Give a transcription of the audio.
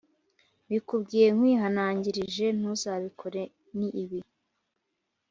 Mbikubwiye nkwihanangirije ntuzabikore ni bibi